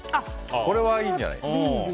これはいいんじゃないですか。